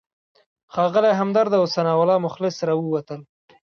ښاغلی همدرد او ثناالله مخلص راووتل.